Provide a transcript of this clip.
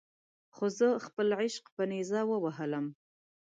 خو زه خپل عشق په نیزه ووهلم.